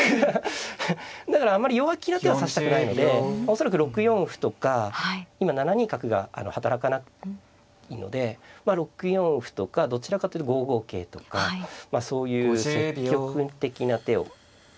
だからあまり弱気な手を指したくないので恐らく６四歩とか今７ニ角が働かないので６四歩とかどちらかというと５五桂とかそういう積極的な手を。